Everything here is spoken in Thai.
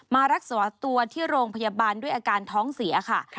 มารักษาตัวที่โรงพยาบาลด้วยอาการท้องเสียค่ะ